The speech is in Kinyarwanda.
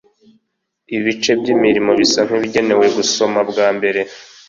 ibice by'imirimo bisa nkibigenewe gusomwa bwa mbere